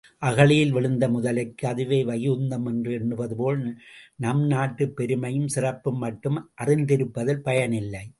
அகழியில் விழுந்த முதலைக்கு அதுவே வைகுந்தம் என்று எண்ணுவதுபோல் நம் நாட்டுப் பெருமையும் சிறப்பும் மட்டும் அறிந்திருப்பதில் பயனில்லை.